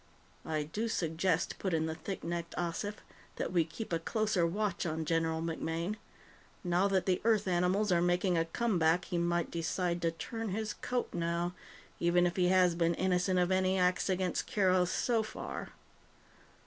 "I do suggest," put in the thick necked Ossif, "that we keep a closer watch on General MacMaine. Now that the Earth animals are making a comeback, he might decide to turn his coat now, even if he has been innocent of any acts against Keroth so far."